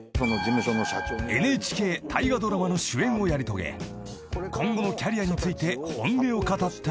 ［ＮＨＫ大河ドラマの主演をやり遂げ今後のキャリアについて本音を語った］